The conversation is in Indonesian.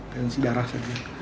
tensi darah saja